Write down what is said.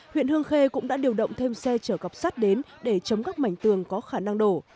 huyện hương khê cũng đã điều động thêm xe chở cọc sắt đến để chống các mảnh tường có khả năng đổ